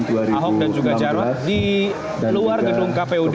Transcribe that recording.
di tahun dua ribu enam belas di luar gedung kpud